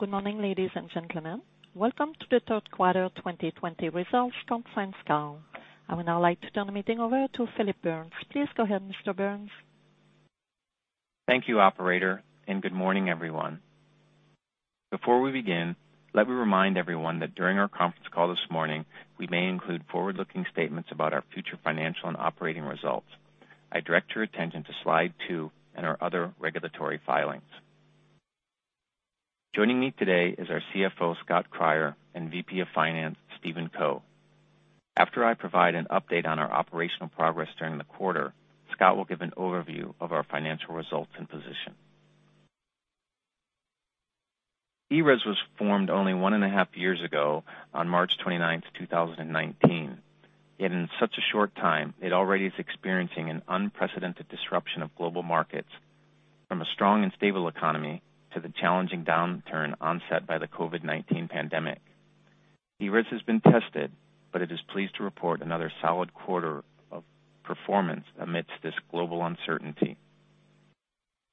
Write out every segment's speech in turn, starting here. Good morning, ladies and gentlemen. Welcome to the third quarter 2020 results conference call. I would now like to turn the meeting over to Phillip Burns. Please go ahead, Mr. Burns. Thank you, operator, and good morning, everyone. Before we begin, let me remind everyone that during our conference call this morning, we may include forward-looking statements about our future financial and operating results. I direct your attention to slide two and our other regulatory filings. Joining me today is our CFO, Scott Cryer, and VP of Finance, Stephen Co. After I provide an update on our operational progress during the quarter, Scott will give an overview of our financial results and position. ERES was formed 1.5 years ago on March 29th, 2019. Yet in such a short time, it already is experiencing an unprecedented disruption of global markets, from a strong and stable economy to the challenging downturn onset by the COVID-19 pandemic. ERES has been tested, but it is pleased to report another solid quarter of performance amidst this global uncertainty.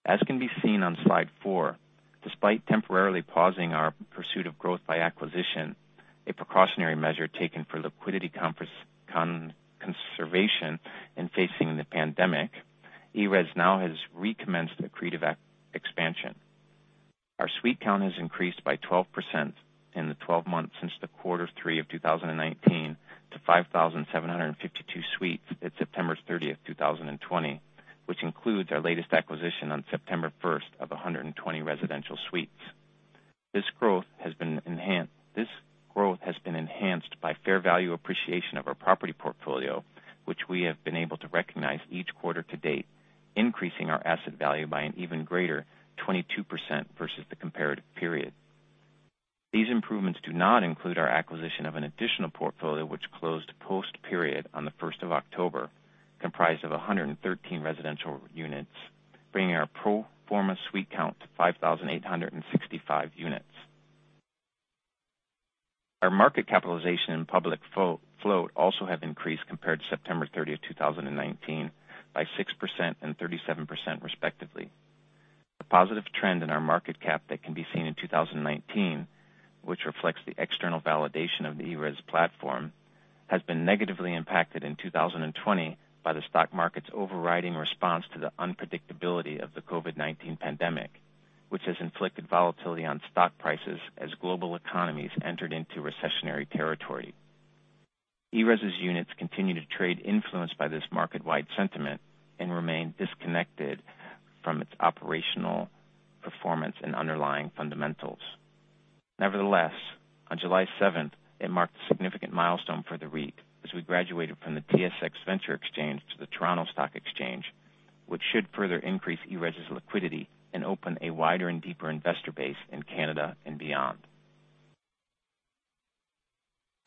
As can be seen on slide four, despite temporarily pausing our pursuit of growth by acquisition, a precautionary measure taken for liquidity conservation in facing the pandemic, ERES now has recommenced accretive expansion. Our suite count has increased by 12% in the 12 months since the quarter three of 2019 to 5,752 suites at September 30, 2020, which includes our latest acquisition on September 1 of 120 residential suites. This growth has been enhanced by fair value appreciation of our property portfolio, which we have been able to recognize each quarter to date, increasing our asset value by an even greater 22% versus the comparative period. These improvements do not include our acquisition of an additional portfolio which closed post period on October 1, comprised of 113 residential units, bringing our pro forma suite count to 5,865 units. Our market capitalization and public float also have increased compared to September 30th, 2019, by 6% and 37% respectively. The positive trend in our market cap that can be seen in 2019, which reflects the external validation of the ERES platform, has been negatively impacted in 2020 by the stock market's overriding response to the unpredictability of the COVID-19 pandemic, which has inflicted volatility on stock prices as global economies entered into recessionary territory. ERES's units continue to trade influenced by this market-wide sentiment and remain disconnected from its operational performance and underlying fundamentals. Nevertheless, on July 7th, it marked a significant milestone for the REIT as we graduated from the TSX Venture Exchange to the Toronto Stock Exchange, which should further increase ERES's liquidity and open a wider and deeper investor base in Canada and beyond.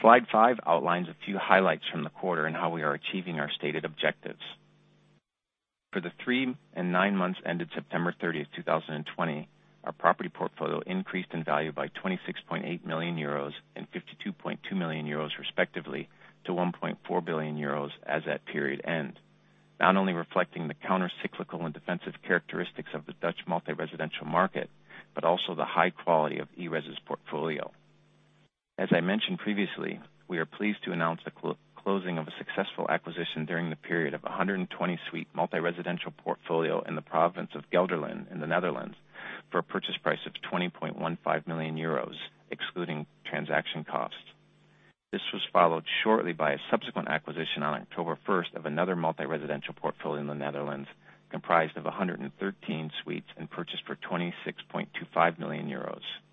Slide five outlines a few highlights from the quarter and how we are achieving our stated objectives. For the three and nine months ended September 30th, 2020, our property portfolio increased in value by 26.8 million euros and 52.2 million euros, respectively, to 1.4 billion euros as at period end. Not only reflecting the counter-cyclical and defensive characteristics of the Dutch multi-residential market, but also the high quality of ERES's portfolio. As I mentioned previously, we are pleased to announce the closing of a successful acquisition during the period of a 120-suite multi-residential portfolio in the province of Gelderland in the Netherlands for a purchase price of 20.15 million euros, excluding transaction costs. This was followed shortly by a subsequent acquisition on October 1st of another multi-residential portfolio in the Netherlands, comprised of 113 suites and purchased for 26.25 million euros. We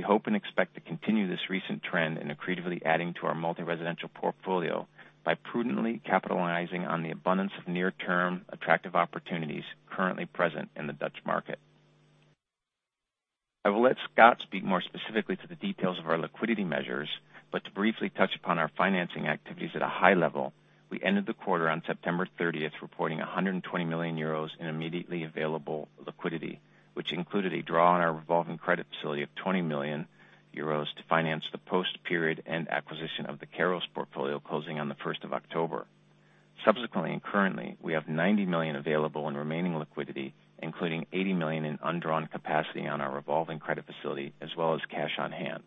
hope and expect to continue this recent trend in accretively adding to our multi-residential portfolio by prudently capitalizing on the abundance of near-term attractive opportunities currently present in the Dutch market. I will let Scott speak more specifically to the details of our liquidity measures, but to briefly touch upon our financing activities at a high level, we ended the quarter on September 30th, reporting 120 million euros in immediately available liquidity. Which included a draw on our revolving credit facility of 20 million euros to finance the post-period and acquisition of the Kairos Portfolio closing on the 1st of October. Subsequently and currently, we have 90 million available in remaining liquidity, including 80 million in undrawn capacity on our revolving credit facility, as well as cash on hand.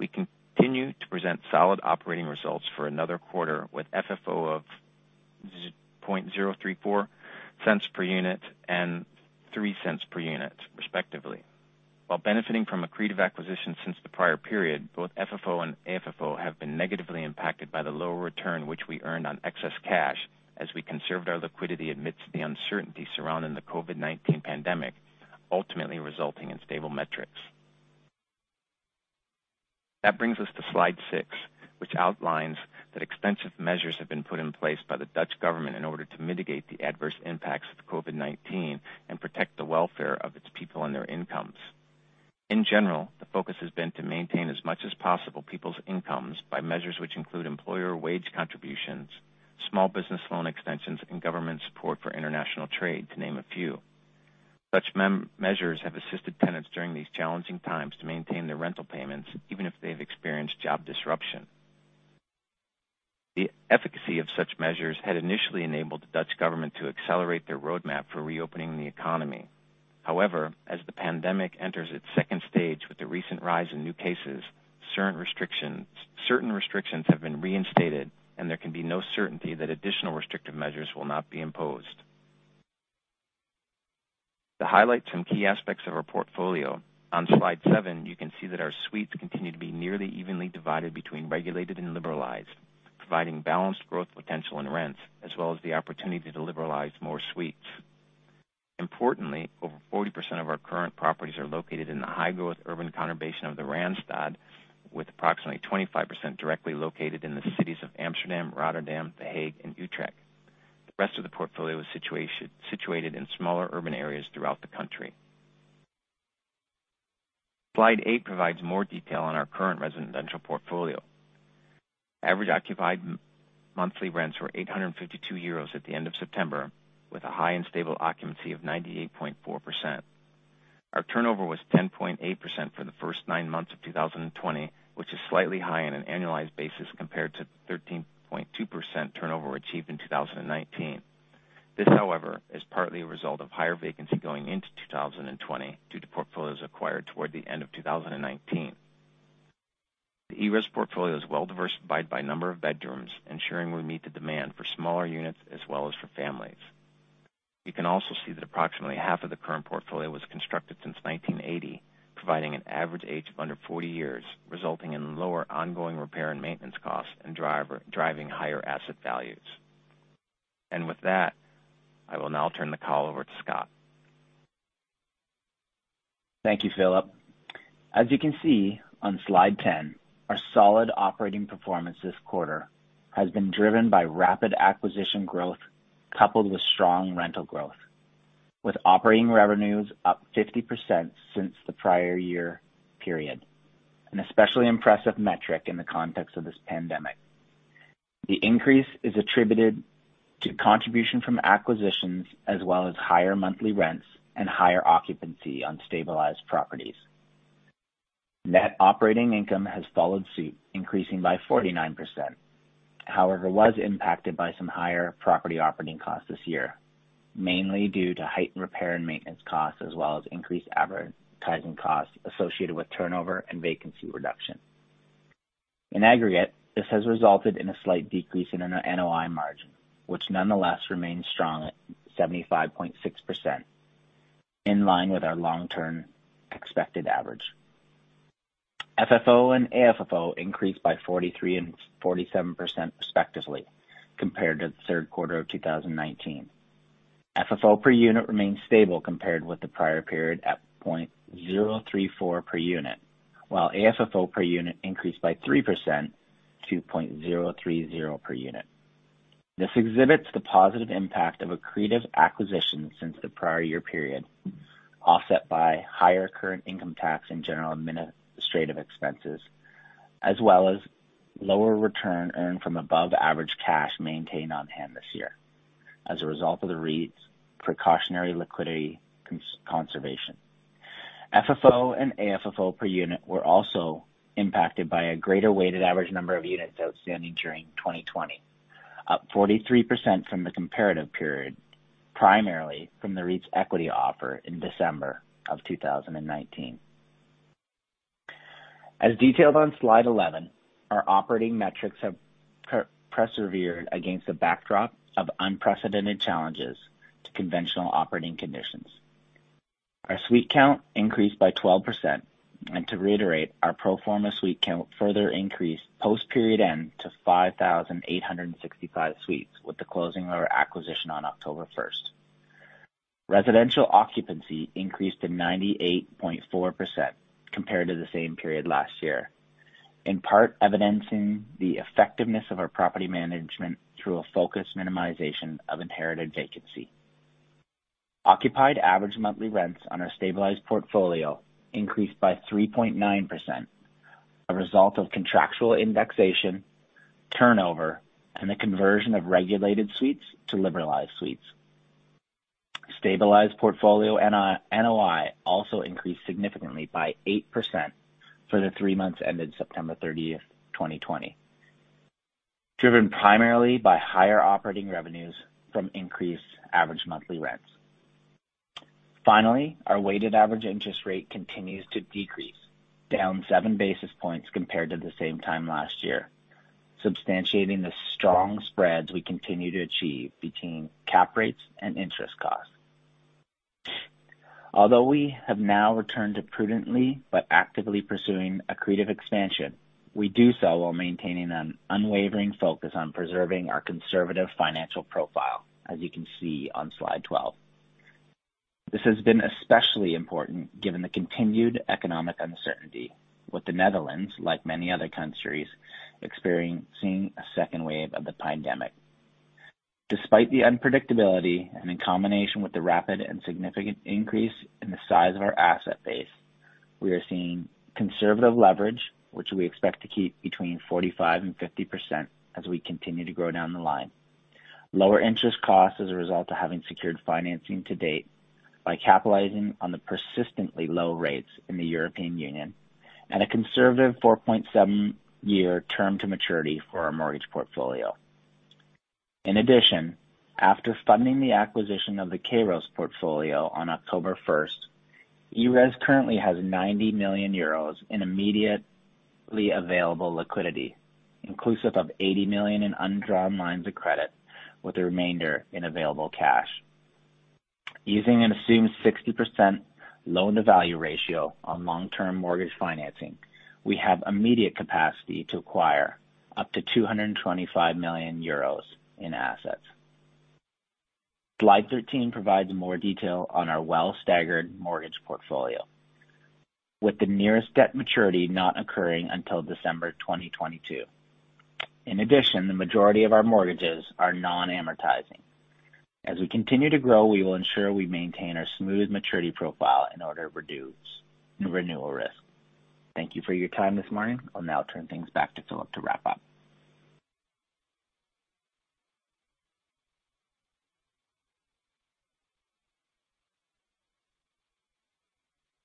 We continue to present solid operating results for another quarter with FFO of 0.034 per unit and 0.03 per unit respectively. While benefiting from accretive acquisitions since the prior period, both FFO and AFFO have been negatively impacted by the lower return which we earned on excess cash as we conserved our liquidity amidst the uncertainty surrounding the COVID-19 pandemic, ultimately resulting in stable metrics. That brings us to slide six, which outlines that extensive measures have been put in place by the Dutch government in order to mitigate the adverse impacts of COVID-19 and protect the welfare of its people and their incomes. In general, the focus has been to maintain as much as possible people's incomes by measures which include employer wage contributions, small business loan extensions, and government support for international trade, to name a few. Such measures have assisted tenants during these challenging times to maintain their rental payments, even if they have experienced job disruption. The efficacy of such measures had initially enabled the Dutch government to accelerate their roadmap for reopening the economy. However, as the pandemic enters its second stage with the recent rise in new cases, certain restrictions have been reinstated, and there can be no certainty that additional restrictive measures will not be imposed. To highlight some key aspects of our portfolio, on slide seven, you can see that our suites continue to be nearly evenly divided between regulated and liberalized, providing balanced growth potential in rents, as well as the opportunity to liberalize more suites. Importantly, over 40% of our current properties are located in the high-growth urban conurbation of the Randstad, with approximately 25% directly located in the cities of Amsterdam, Rotterdam, The Hague, and Utrecht. The rest of the portfolio is situated in smaller urban areas throughout the country. Slide eight provides more detail on our current residential portfolio. Average occupied monthly rents were 852 euros at the end of September, with a high and stable occupancy of 98.4%. Our turnover was 10.8% for the first nine months of 2020, which is slightly high on an annualized basis compared to 13.2% turnover achieved in 2019. This, however, is partly a result of higher vacancy going into 2020 due to portfolios acquired toward the end of 2019. The ERES portfolio is well diversified by number of bedrooms, ensuring we meet the demand for smaller units as well as for families. You can also see that approximately half of the current portfolio was constructed since 1980, providing an average age of under 40 years, resulting in lower ongoing repair and maintenance costs and driving higher asset values. With that, I will now turn the call over to Scott. Thank you, Phillip. As you can see on slide 10, our solid operating performance this quarter has been driven by rapid acquisition growth, coupled with strong rental growth, with operating revenues up 50% since the prior year period, an especially impressive metric in the context of this pandemic. The increase is attributed to contribution from acquisitions as well as higher monthly rents and higher occupancy on stabilized properties. Net operating income has followed suit, increasing by 49%, however, was impacted by some higher property operating costs this year, mainly due to heightened repair and maintenance costs as well as increased advertising costs associated with turnover and vacancy reduction. In aggregate, this has resulted in a slight decrease in our NOI margin, which nonetheless remains strong at 75.6%, in line with our long-term expected average. FFO and AFFO increased by 43% and 47% respectively compared to the third quarter of 2019. FFO per unit remained stable compared with the prior period at 0.034 per unit, while AFFO per unit increased by 3% to 0.030 per unit. This exhibits the positive impact of accretive acquisitions since the prior year period, offset by higher current income tax and general administrative expenses, as well as lower return earned from above-average cash maintained on hand this year as a result of the REIT's precautionary liquidity conservation. FFO and AFFO per unit were also impacted by a greater weighted average number of units outstanding during 2020, up 43% from the comparative period, primarily from the REIT's equity offer in December of 2019. As detailed on slide 11, our operating metrics have persevered against the backdrop of unprecedented challenges to conventional operating conditions. Our suite count increased by 12%, and to reiterate, our pro forma suite count further increased post period end to 5,865 suites with the closing of our acquisition on October 1st. Residential occupancy increased to 98.4% compared to the same period last year, in part evidencing the effectiveness of our property management through a focused minimization of inherited vacancy. Occupied average monthly rents on our stabilized portfolio increased by 3.9%, a result of contractual indexation, turnover, and the conversion of regulated suites to liberalized suites. Stabilized portfolio NOI also increased significantly by 8% for the three months ended September 30th, 2020, driven primarily by higher operating revenues from increased average monthly rents. Our weighted average interest rate continues to decrease, down 7 basis points compared to the same time last year, substantiating the strong spreads we continue to achieve between cap rates and interest costs. Although we have now returned to prudently but actively pursuing accretive expansion, we do so while maintaining an unwavering focus on preserving our conservative financial profile, as you can see on slide 12. This has been especially important given the continued economic uncertainty with the Netherlands, like many other countries, experiencing a second wave of the pandemic. Despite the unpredictability, and in combination with the rapid and significant increase in the size of our asset base, we are seeing conservative leverage, which we expect to keep between 45% and 50% as we continue to grow down the line, lower interest costs as a result of having secured financing to date by capitalizing on the persistently low rates in the European Union and a conservative 4.7-year term to maturity for our mortgage portfolio. After funding the acquisition of the Kairos Portfolio on October 1st, ERES currently has 90 million euros in immediately available liquidity, inclusive of 80 million in undrawn lines of credit, with the remainder in available cash. Using an assumed 60% loan-to-value ratio on long-term mortgage financing, we have immediate capacity to acquire up to 225 million euros in assets. Slide 13 provides more detail on our well-staggered mortgage portfolio, with the nearest debt maturity not occurring until December 2022. The majority of our mortgages are non-amortizing. As we continue to grow, we will ensure we maintain our smooth maturity profile in order to reduce renewal risk. Thank you for your time this morning. I'll now turn things back to Phillip to wrap up.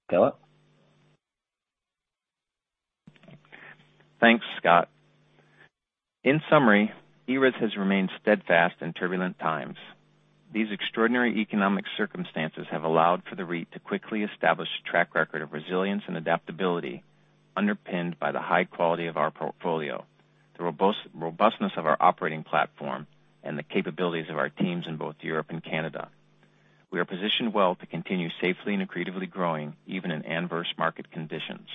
Phillip? Thanks, Scott. In summary, ERES has remained steadfast in turbulent times. These extraordinary economic circumstances have allowed for the REIT to quickly establish a track record of resilience and adaptability underpinned by the high quality of our portfolio, the robustness of our operating platform, and the capabilities of our teams in both Europe and Canada. We are positioned well to continue safely and accretively growing even in adverse market conditions.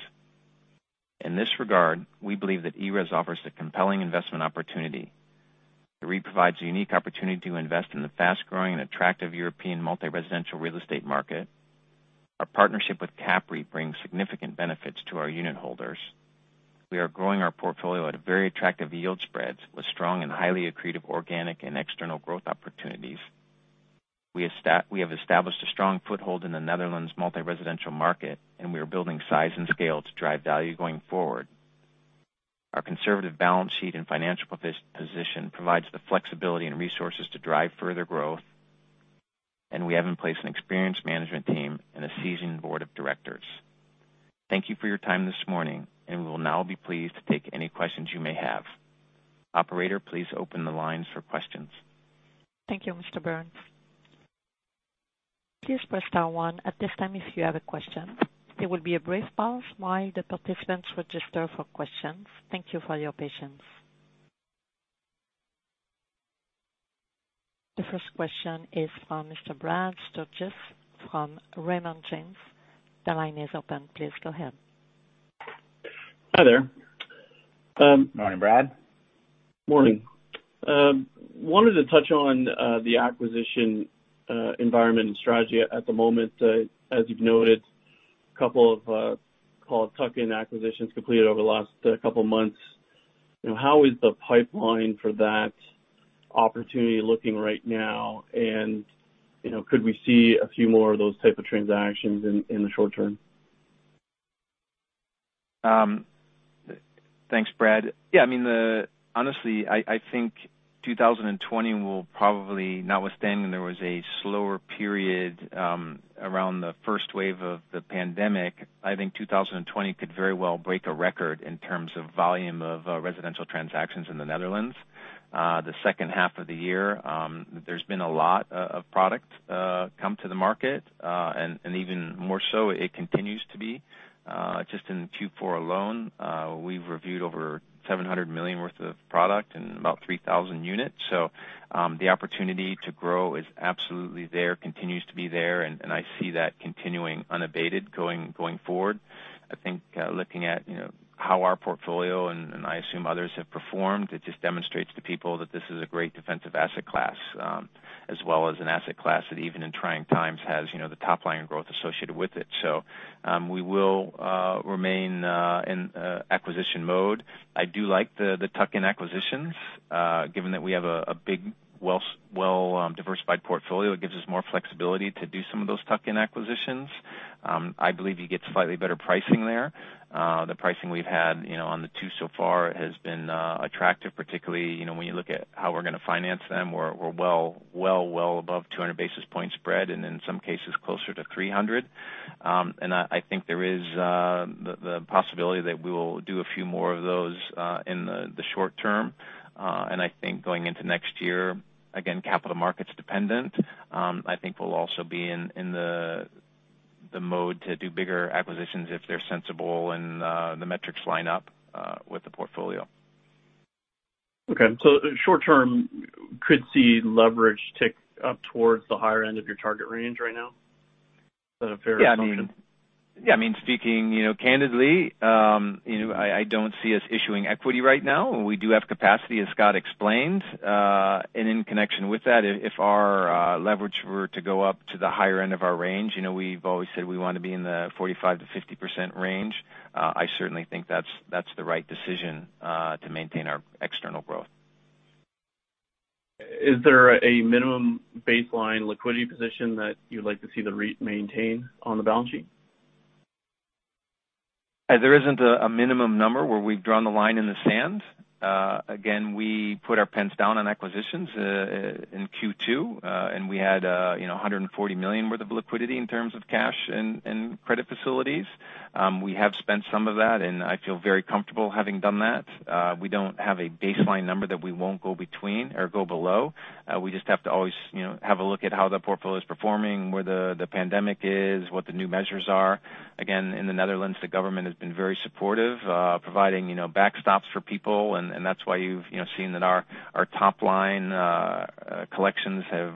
In this regard, we believe that ERES offers a compelling investment opportunity. The REIT provides a unique opportunity to invest in the fast-growing and attractive European multi-residential real estate market. Our partnership with CAPREIT brings significant benefits to our unitholders. We are growing our portfolio at very attractive yield spreads with strong and highly accretive organic and external growth opportunities. We have established a strong foothold in the Netherlands multi-residential market, and we are building size and scale to drive value going forward. Our conservative balance sheet and financial position provides the flexibility and resources to drive further growth, and we have in place an experienced management team and a seasoned board of directors. Thank you for your time this morning, and we will now be pleased to take any questions you may have. Operator, please open the lines for questions. Thank you, Mr. Burns. Please press star one at this time if you have a question. There will be a brief pause while the participants register for questions. Thank you for your patience. The first question is from Mr. Brad Sturges from Raymond James. The line is open. Please go ahead. Hi there. Morning, Brad. Morning. Wanted to touch on the acquisition environment and strategy at the moment. As you've noted, a couple of tuck-in acquisitions completed over the last couple of months. How is the pipeline for that opportunity looking right now? Could we see a few more of those type of transactions in the short term? Thanks, Brad. Yeah, honestly, I think 2020 will probably, notwithstanding there was a slower period around the first wave of the pandemic, I think 2020 could very well break a record in terms of volume of residential transactions in the Netherlands. The second half of the year, there's been a lot of product come to the market, and even more so, it continues to be. Just in Q4 alone, we've reviewed over 700 million worth of product and about 3,000 units. The opportunity to grow is absolutely there, continues to be there, and I see that continuing unabated going forward. I think looking at how our portfolio, and I assume others have performed, it just demonstrates to people that this is a great defensive asset class, as well as an asset class that even in trying times has the top-line growth associated with it. We will remain in acquisition mode. I do like the tuck-in acquisitions. Given that we have a big, well-diversified portfolio, it gives us more flexibility to do some of those tuck-in acquisitions. I believe you get slightly better pricing there. The pricing we've had on the two so far has been attractive, particularly when you look at how we're going to finance them. We're well above 200 basis point spread, and in some cases, closer to 300 basis points. I think there is the possibility that we will do a few more of those in the short term. I think going into next year, again, capital markets dependent, I think we'll also be in the mode to do bigger acquisitions if they're sensible and the metrics line up with the portfolio. Okay. Short term could see leverage tick up towards the higher end of your target range right now? Is that a fair assumption? Yeah. Speaking candidly, I don't see us issuing equity right now. We do have capacity, as Scott explained. In connection with that, if our leverage were to go up to the higher end of our range, we've always said we want to be in the 45%-50% range. I certainly think that's the right decision to maintain our external growth. Is there a minimum baseline liquidity position that you'd like to see the REIT maintain on the balance sheet? There isn't a minimum number where we've drawn the line in the sand. Again, we put our pens down on acquisitions in Q2, and we had 140 million worth of liquidity in terms of cash and credit facilities. We have spent some of that, and I feel very comfortable having done that. We don't have a baseline number that we won't go below. We just have to always have a look at how the portfolio is performing, where the pandemic is, what the new measures are. Again, in the Netherlands, the government has been very supportive, providing backstops for people, and that's why you've seen that our top-line collections have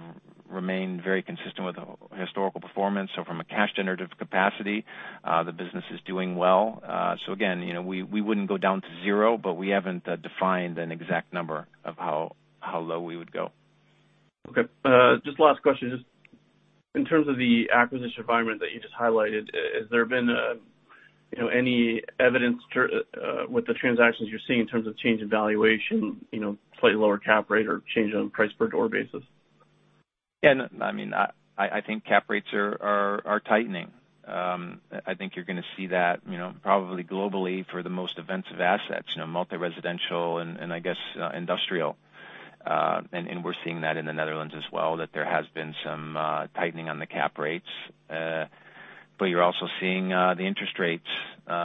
remained very consistent with historical performance. From a cash generative capacity, the business is doing well. Again, we wouldn't go down to zero, but we haven't defined an exact number of how low we would go. Okay. Just last question. Just in terms of the acquisition environment that you just highlighted, has there been any evidence with the transactions you're seeing in terms of change in valuation, slightly lower cap rate or change on a price per door basis? Yeah. I think cap rates are tightening. I think you're going to see that probably globally for the most defensive assets, multi-residential and I guess industrial. We're seeing that in the Netherlands as well, that there has been some tightening on the cap rates. You're also seeing the interest rates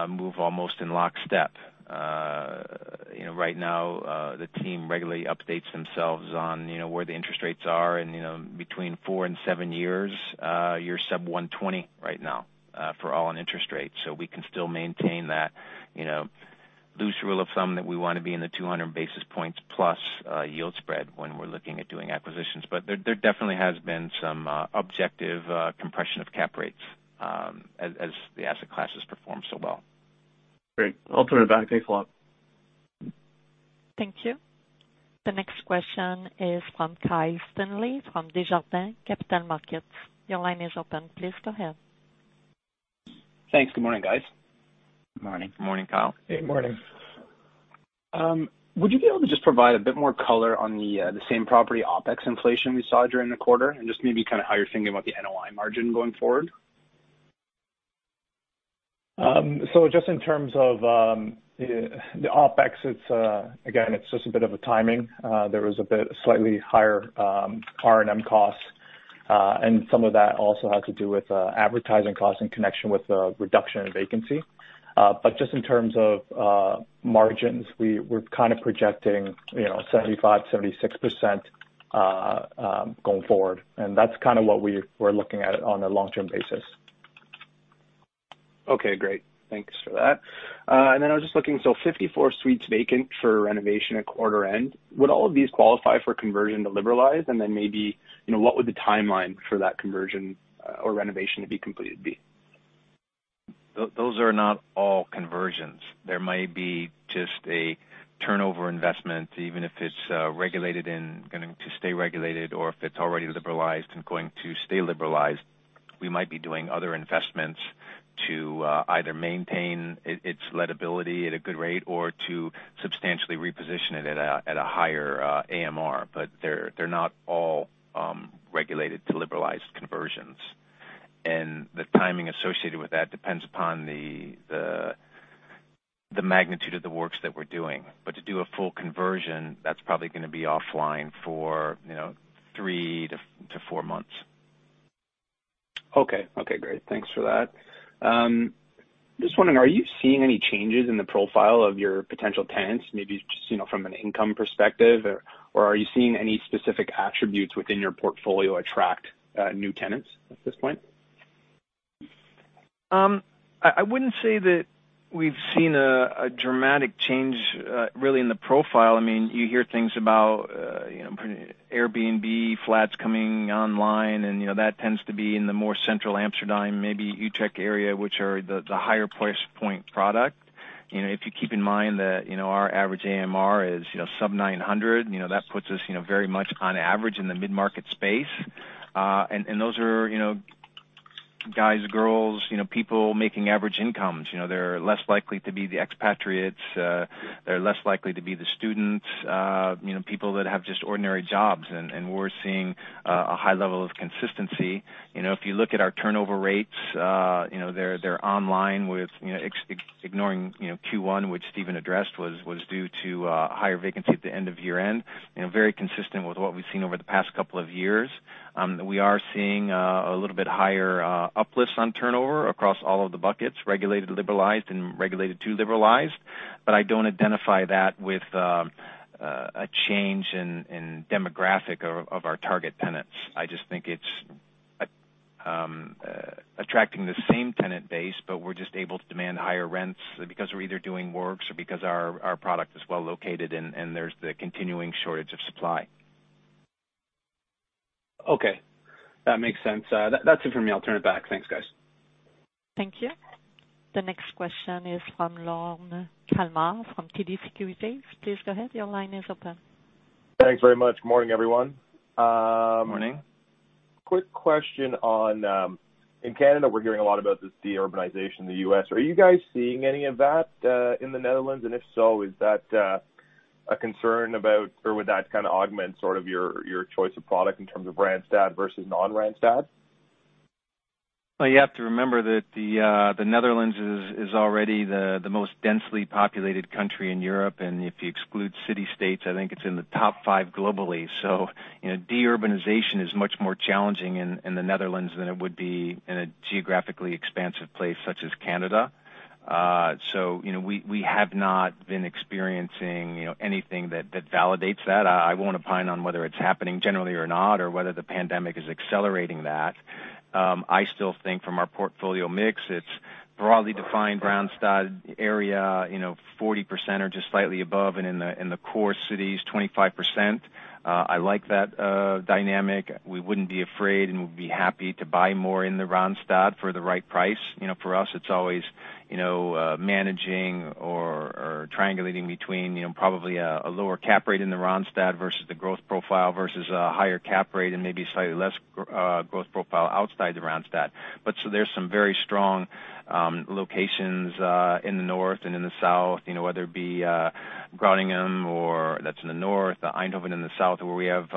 move almost in lockstep. Right now, the team regularly updates themselves on where the interest rates are, and between four and seven years, you're sub 120 basis points right now for all-in interest rates. We can still maintain that loose rule of thumb that we want to be in the 200+ basis points yield spread when we're looking at doing acquisitions. There definitely has been some objective compression of cap rates as the asset class has performed so well. Great. I'll turn it back. Thanks a lot. Thank you. The next question is from Kyle Stanley from Desjardins Capital Markets. Your line is open. Please go ahead. Thanks. Good morning, guys. Good morning. Good morning, Kyle. Good morning. Would you be able to just provide a bit more color on the same property OpEx inflation we saw during the quarter and just maybe kind of how you're thinking about the NOI margin going forward? Just in terms of the OpEx, again, it's just a bit of a timing. There was a bit slightly higher R&M costs. Some of that also has to do with advertising costs in connection with the reduction in vacancy. Just in terms of margins, we're kind of projecting 75%, 76% going forward, and that's kind of what we're looking at on a long-term basis. Okay, great. Thanks for that. I was just looking, so 54 suites vacant for renovation at quarter end. Would all of these qualify for conversion to liberalized? Maybe, what would the timeline for that conversion or renovation to be completed be? Those are not all conversions. There might be just a turnover investment, even if it's regulated and going to stay regulated, or if it's already liberalized and going to stay liberalized. We might be doing other investments to either maintain its lettability at a good rate or to substantially reposition it at a higher AMR. They're not all regulated to liberalized conversions. The timing associated with that depends upon the magnitude of the works that we're doing. To do a full conversion, that's probably going to be offline for three to four months. Okay. Great. Thanks for that. Just wondering, are you seeing any changes in the profile of your potential tenants, maybe just from an income perspective? Are you seeing any specific attributes within your portfolio attract new tenants at this point? I wouldn't say that we've seen a dramatic change, really, in the profile. You hear things about Airbnb flats coming online, and that tends to be in the more central Amsterdam, maybe Utrecht area, which are the higher price point product. If you keep in mind that our average AMR is sub 900, that puts us very much on average in the mid-market space. Those are guys, girls, people making average incomes. They're less likely to be the expatriates. They're less likely to be the students. People that have just ordinary jobs. We're seeing a high level of consistency. If you look at our turnover rates, they're on-line with ignoring Q1, which Stephen addressed, was due to higher vacancy at the end of year-end. We are seeing a little bit higher uplifts on turnover across all of the buckets, regulated to liberalized. I don't identify that with a change in demographic of our target tenants. I just think it's attracting the same tenant base, but we're just able to demand higher rents because we're either doing works or because our product is well located and there's the continuing shortage of supply. Okay. That makes sense. That's it for me. I'll turn it back. Thanks, guys. Thank you. The next question is from Lorne Kalmar from TD Securities. Please go ahead. Your line is open. Thanks very much. Good morning, everyone. Morning. Quick question, in Canada, we're hearing a lot about this de-urbanization in the U.S. Are you guys seeing any of that in the Netherlands? If so, is that a concern about, or would that kind of augment sort of your choice of product in terms of Randstad versus non-Randstad? Well, you have to remember that the Netherlands is already the most densely populated country in Europe, and if you exclude city-states, I think it's in the top five globally. De-urbanization is much more challenging in the Netherlands than it would be in a geographically expansive place such as Canada. We have not been experiencing anything that validates that. I won't opine on whether it's happening generally or not, or whether the pandemic is accelerating that. I still think from our portfolio mix, it's broadly defined Randstad area, 40% or just slightly above, and in the core cities, 25%. I like that dynamic. We wouldn't be afraid, and we'd be happy to buy more in the Randstad for the right price. For us, it's always managing or triangulating between probably a lower cap rate in the Randstad versus the growth profile versus a higher cap rate and maybe slightly less growth profile outside the Randstad. There's some very strong locations in the north and in the south, whether it be Groningen, that's in the north, Eindhoven in the south, where we have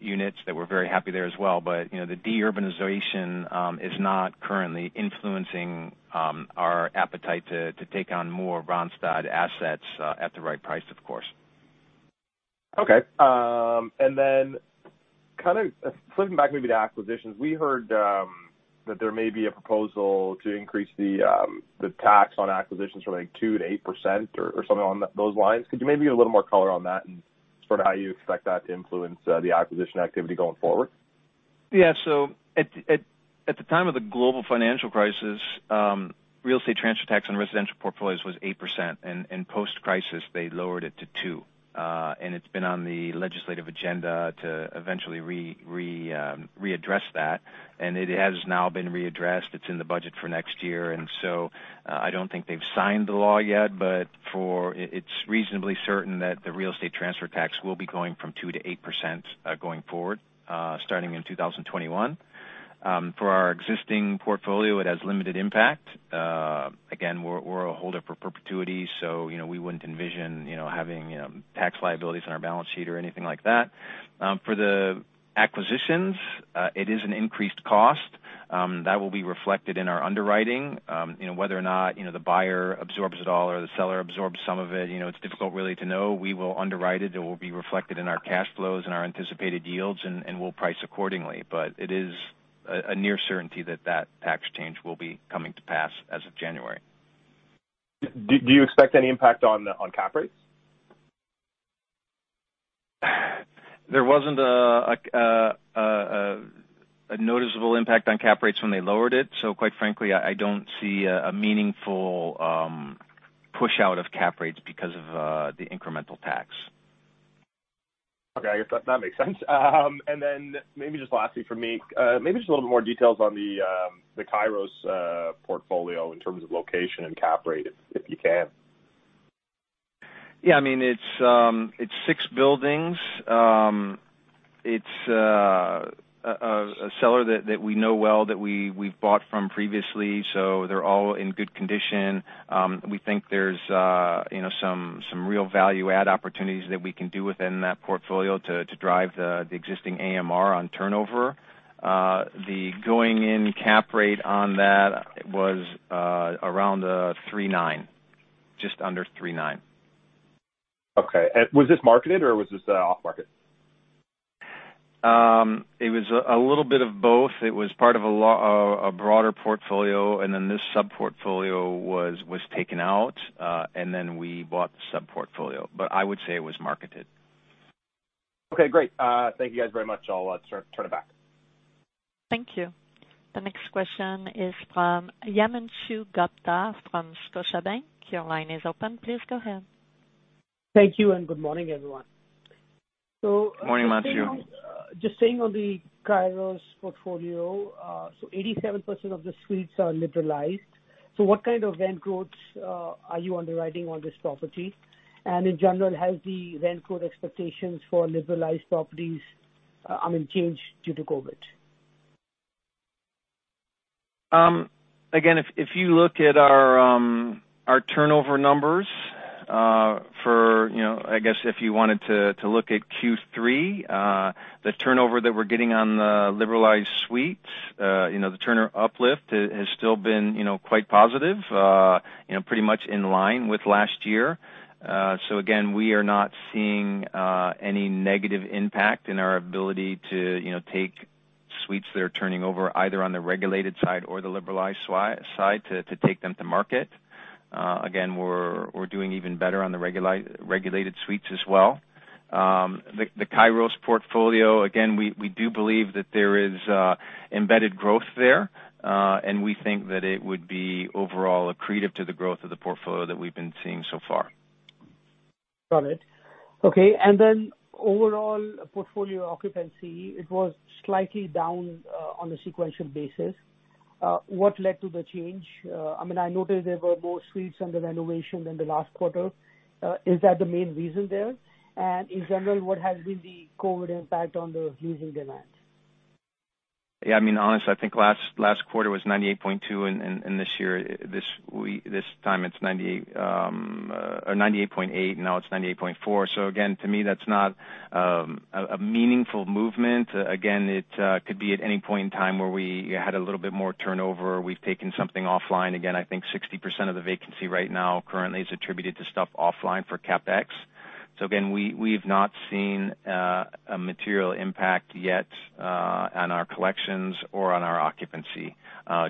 units that we're very happy there as well. The de-urbanization is not currently influencing our appetite to take on more Randstad assets at the right price of course. Okay. Then kind of flipping back maybe to acquisitions, we heard that there may be a proposal to increase the tax on acquisitions from 2% to 8% or something along those lines. Could you maybe give a little more color on that and sort of how you expect that to influence the acquisition activity going forward? Yeah. At the time of the global financial crisis, real estate transfer tax on residential portfolios was 8%, and post-crisis, they lowered it to 2%. It's been on the legislative agenda to eventually readdress that. It has now been readdressed. It's in the budget for next year. I don't think they've signed the law yet, but it's reasonably certain that the real estate transfer tax will be going from 2% to 8% going forward, starting in 2021. For our existing portfolio, it has limited impact. Again, we're a holder for perpetuity, so we wouldn't envision having tax liabilities on our balance sheet or anything like that. For the acquisitions, it is an increased cost that will be reflected in our underwriting. Whether or not the buyer absorbs it all or the seller absorbs some of it's difficult really to know. We will underwrite it. It will be reflected in our cash flows and our anticipated yields, and we'll price accordingly. It is a near certainty that that tax change will be coming to pass as of January. Do you expect any impact on cap rates? There wasn't a noticeable impact on cap rates when they lowered it. Quite frankly, I don't see a meaningful push out of cap rates because of the incremental tax. Okay. That makes sense. Maybe just lastly from me, maybe just a little bit more details on the Kairos Portfolio in terms of location and cap rate, if you can. Yeah. It's six buildings. It's a seller that we know well, that we've bought from previously, so they're all in good condition. We think there's some real value add opportunities that we can do within that portfolio to drive the existing AMR on turnover. The going-in cap rate on that was around 3.9%, just under 3.9%. Okay. Was this marketed or was this off-market? It was a little bit of both. It was part of a broader portfolio, and then this sub-portfolio was taken out, and then we bought the sub-portfolio. I would say it was marketed. Okay, great. Thank you guys very much. I'll turn it back. Thank you. The next question is from Himanshu Gupta from Scotiabank. Your line is open. Please go ahead. Thank you and good morning, everyone. Morning, Himanshu. Just staying on the Kairos portfolio. 87% of the suites are liberalized. What kind of rent growths are you underwriting on this property? In general, has the rent growth expectations for liberalized properties changed due to COVID? If you look at our turnover numbers for, I guess if you wanted to look at Q3, the turnover that we're getting on the liberalized suites, the turnover uplift has still been quite positive, pretty much in line with last year. Again, we are not seeing any negative impact in our ability to take suites that are turning over, either on the regulated side or the liberalized side, to take them to market. We're doing even better on the regulated suites as well. The Kairos portfolio, we do believe that there is embedded growth there. We think that it would be overall accretive to the growth of the portfolio that we've been seeing so far. Got it. Okay. Overall portfolio occupancy, it was slightly down on a sequential basis. What led to the change? I noticed there were more suites under renovation than the last quarter. Is that the main reason there? In general, what has been the COVID impact on the leasing demand? Yeah, honestly, I think last quarter was 98.2%, and this time it's 98.8%, now it's 98.4%. Again, to me, that's not a meaningful movement. Again, it could be at any point in time where we had a little bit more turnover. We've taken something offline. Again, I think 60% of the vacancy right now currently is attributed to stuff offline for CapEx. Again, we've not seen a material impact yet on our collections or on our occupancy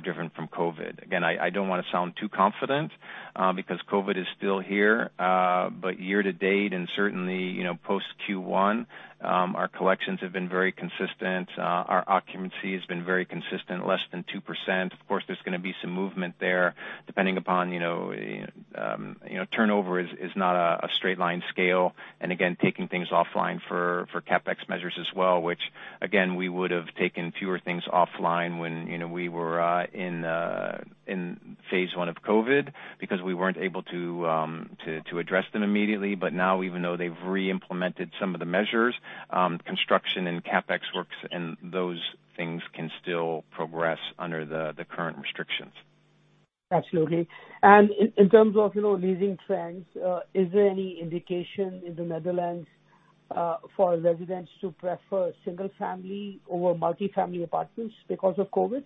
different from COVID. Again, I don't want to sound too confident because COVID is still here. Year to date, and certainly, post Q1, our collections have been very consistent. Our occupancy has been very consistent, less than 2%. Of course, there's going to be some movement there. Turnover is not a straight line scale. Again, taking things offline for CapEx measures as well, which, again, we would have taken fewer things offline when we were in phase I of COVID because we weren't able to address them immediately. Now, even though they've re-implemented some of the measures, construction and CapEx works and those things can still progress under the current restrictions. Absolutely. In terms of leasing trends, is there any indication in the Netherlands for residents to prefer single-family over multi-family apartments because of COVID?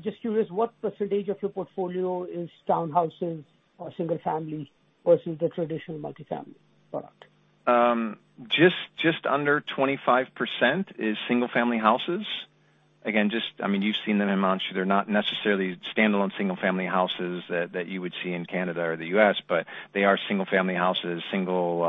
Just curious, what % of your portfolio is townhouses or single-family versus the traditional multi-family product? Just under 25% is single-family houses. You've seen them in Montreal. They're not necessarily standalone single-family houses that you would see in Canada or the U.S., but they are single-family houses, single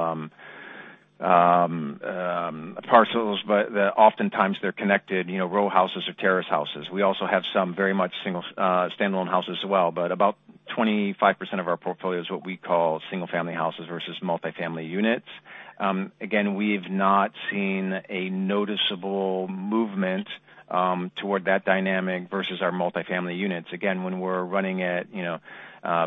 parcels. Oftentimes they're connected, row houses or terrace houses. We also have some very much standalone houses as well. About 25% of our portfolio is what we call single-family houses versus multi-family units. Again, we've not seen a noticeable movement toward that dynamic versus our multi-family units. Again, when we're running at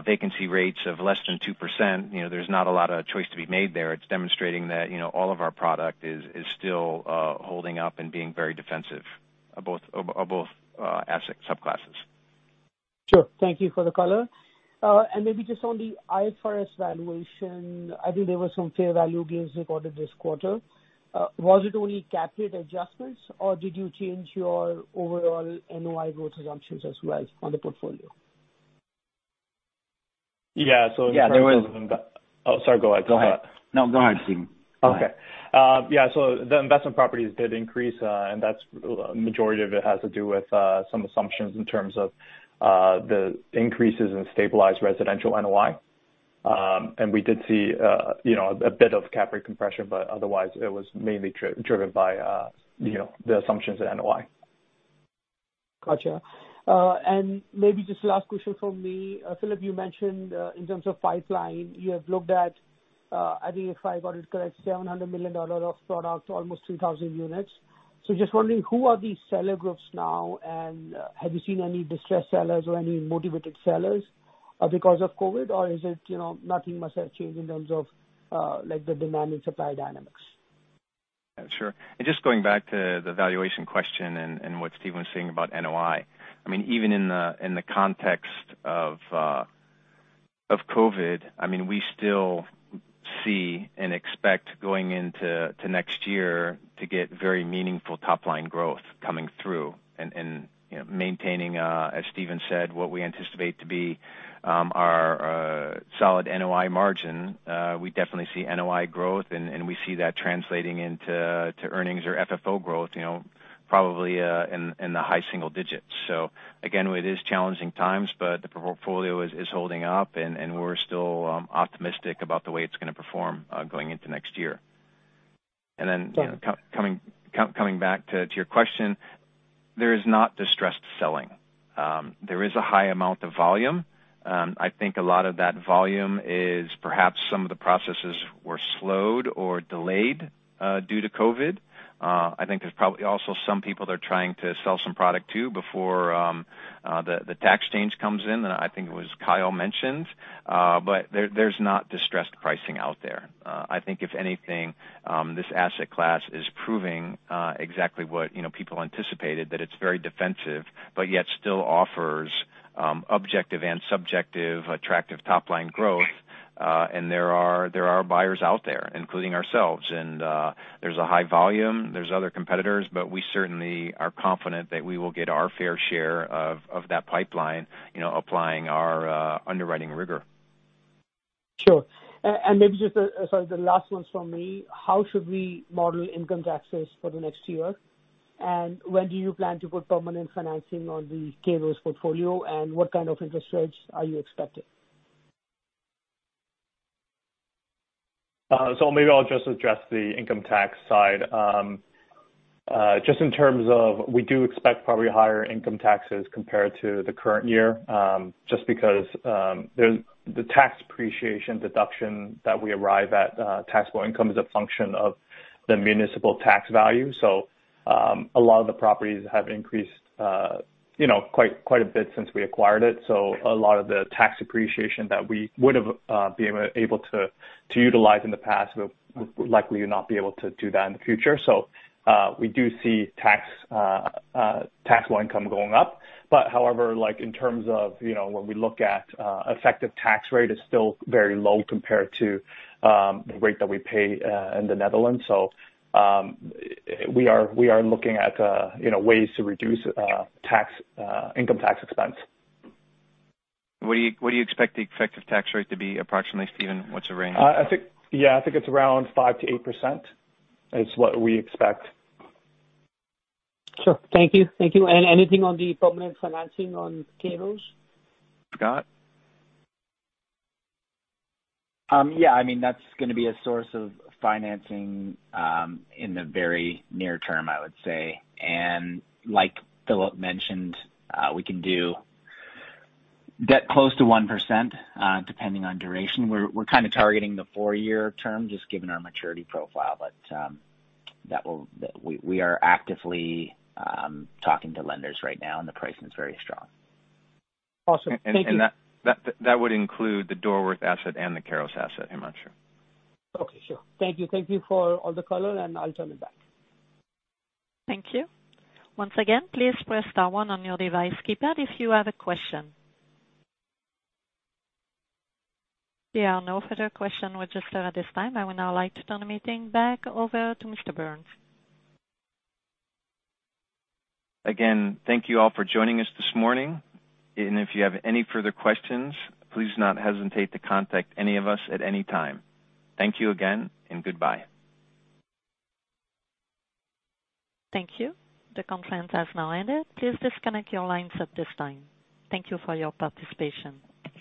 vacancy rates of less than 2%, there's not a lot of choice to be made there. It's demonstrating that all of our product is still holding up and being very defensive of both asset subclasses. Sure. Thank you for the color. Maybe just on the IFRS valuation, I think there were some fair value gains recorded this quarter. Was it only cap rate adjustments, or did you change your overall NOI growth assumptions as well on the portfolio? Yeah. Yeah. Oh, sorry, go ahead. Go ahead. No, go ahead, Stephen. Go ahead. Okay. Yeah. The investment properties did increase, and the majority of it has to do with some assumptions in terms of the increases in stabilized residential NOI. We did see a bit of cap rate compression, but otherwise, it was mainly driven by the assumptions at NOI. Got you. Maybe just the last question from me. Phillip, you mentioned in terms of pipeline, you have looked at, I think if I got it correct, EUR 700 million of products, almost 3,000 units. Just wondering, who are these seller groups now, and have you seen any distressed sellers or any motivated sellers because of COVID, or is it nothing much has changed in terms of the demand and supply dynamics? Sure. Just going back to the valuation question and what Stephen was saying about NOI. Even in the context of COVID, we still see and expect going into next year to get very meaningful top-line growth coming through and maintaining, as Stephen said, what we anticipate to be our solid NOI margin. We definitely see NOI growth, and we see that translating into earnings or FFO growth probably in the high single digits. Again, it is challenging times, but the portfolio is holding up, and we're still optimistic about the way it's going to perform going into next year. Sure coming back to your question, there is not distressed selling. There is a high amount of volume. I think a lot of that volume is perhaps some of the processes were slowed or delayed due to COVID. I think there's probably also some people that are trying to sell some product too before the tax change comes in, I think it was Kyle mentioned. There's not distressed pricing out there. I think if anything, this asset class is proving exactly what people anticipated, that it's very defensive, but yet still offers objective and subjective attractive top-line growth. There are buyers out there, including ourselves. There's a high volume, there's other competitors, but we certainly are confident that we will get our fair share of that pipeline applying our underwriting rigor. Sure. Maybe just the, sorry, the last ones from me. How should we model income taxes for the next year? When do you plan to put permanent financing on the Kairos Portfolio, and what kind of interest rates are you expecting? Maybe I'll just address the income tax side. Just in terms of we do expect probably higher income taxes compared to the current year, just because the tax depreciation deduction that we arrive at taxable income is a function of the municipal tax value. A lot of the properties have increased quite a bit since we acquired it. A lot of the tax depreciation that we would've been able to utilize in the past, we'll likely not be able to do that in the future. We do see tax line income going up. However, in terms of when we look at effective tax rate, it's still very low compared to the rate that we pay in the Netherlands. We are looking at ways to reduce income tax expense. What do you expect the effective tax rate to be approximately, Stephen? What's the range? Yeah, I think it's around 5%-8%, is what we expect. Sure. Thank you. Anything on the permanent financing on Kairos? Scott? Yeah, that's going to be a source of financing in the very near term, I would say. Like Phillip mentioned, we can do debt close to 1%, depending on duration. We're kind of targeting the four-year term, just given our maturity profile. We are actively talking to lenders right now, and the pricing is very strong. Awesome. Thank you. That would include the Doorwerth asset and the Kairos asset, Himanshu. Okay. Sure. Thank you for all the color. I'll turn it back. Thank you. Once again, please press star one on your device keypad if you have a question. There are no further question registered at this time. I would now like to turn the meeting back over to Mr. Burns. Again, thank you all for joining us this morning. If you have any further questions, please do not hesitate to contact any of us at any time. Thank you again, and goodbye. Thank you. The conference has now ended. Please disconnect your lines at this time. Thank you for your participation.